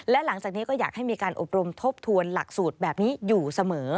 และหลังจากนี้ก็อยากให้มีการอบรมทบทวนหลักสูตรแบบนี้อยู่เสมอ